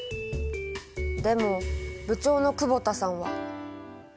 でも部長の久保田さんは。